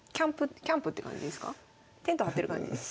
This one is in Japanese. テント張ってる感じですか？